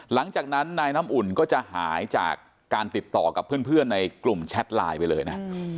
หลังจากนั้นนายน้ำอุ่นก็จะหายจากการติดต่อกับเพื่อนในกลุ่มแชทไลน์ไปเลยนะ